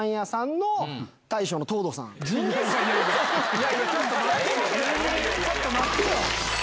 いやいやちょっと待ってよ！